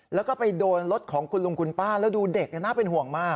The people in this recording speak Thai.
แล้วก็ไปโดนรถของคุณลุงคุณป้าแล้วดูเด็กน่าเป็นห่วงมาก